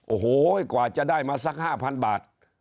โอ้โหกว่าจะได้มาสัก๕๐๐บาท